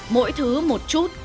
mỗi thứ một chút